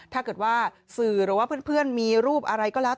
ถ้าเกิดว่าสื่อหรือว่าเพื่อนมีรูปอะไรก็แล้ว